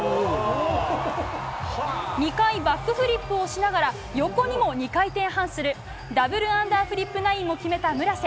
２回バックフリップをしながら横にも２回転半するダブルアンダーフリップ９００も決めた村瀬。